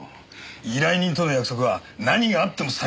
依頼人との約束は何があっても最後まで守る。